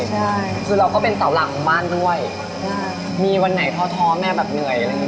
ใช่คือเราก็เป็นเสาหลังของบ้านด้วยมีวันไหนท้อท้อแม่แบบเหนื่อยอะไรอย่างเ